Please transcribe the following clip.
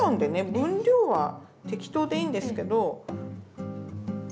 分量は適当でいいんですけど。